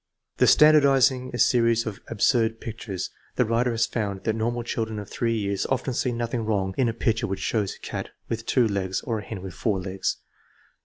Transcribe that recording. In standardizing a series of " absurd pictures," the writer has found that normal children of 3 years often see nothing wrong in a picture which shows a cat with two legs or a hen with four legs.